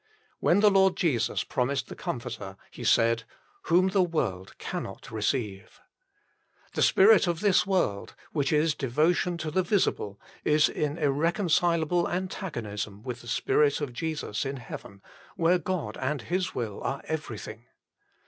When the Lord Jesus promised the Comforter, He said :" Whom the world cannot receive." The spirit of this world, which is devotion to the visible, is in irreconcilable antagonism with the Spirit of Jesus in heaven, where God and His will are everything.